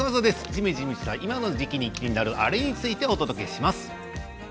じめじめした今の時期に気になるあれについてお届けします。